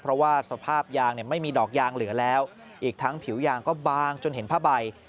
เพราะว่าสภาพยางเนี่ยไม่มีดอกยางเหลือแล้วอีกทั้งผิวยางก็บางจนเห็นผ้าใบ